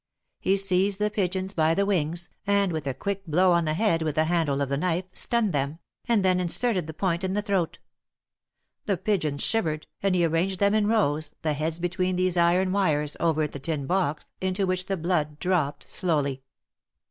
He seized the pigeons by the wings, and, with a quick blow on the head with the handle of the knife, stunned theni, and then inserted the point in the throat. The pigeons shivered, and he ar ranged them in rows, the heads between these iron wires, over the tin box, into which the blood dropped slowly.